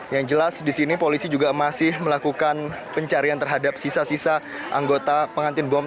yang jelas di sini polisi juga masih melakukan pencarian terhadap sisa sisa anggota pengantin bom